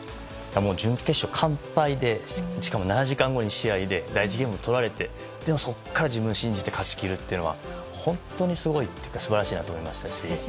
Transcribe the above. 準決勝、完敗でしかも７時間後に試合で第１ゲームを取られてでも、そこから自分を信じて勝ち切るっていうのは本当にすごいというか素晴らしいなと思いましたし